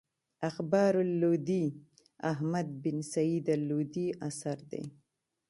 اخبار اللودي احمد بن سعيد الودي اثر دﺉ.